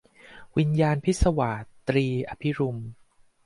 วิญญาณพิศวาส - ตรี อภิรุม